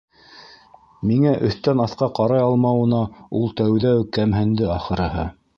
Миңә өҫтән аҫҡа ҡарай алмауына ул тәүҙә үк кәмһенде, ахырыһы.